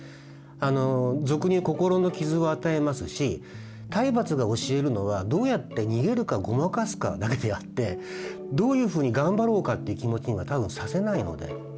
あの俗にいう心の傷を与えますし体罰が教えるのはどうやって逃げるかごまかすかだけであってどういうふうに頑張ろうかって気持ちには多分させないので。